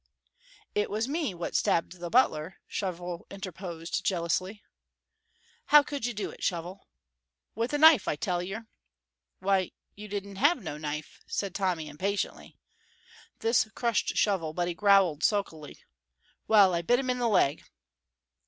"It was me what stabbed the butler," Shovel interposed, jealously. "How could you do it, Shovel?" "With a knife, I tell yer!" "Why, you didn't have no knife," said Tommy, impatiently. This crushed Shovel, but he growled sulkily: "Well, I bit him in the leg."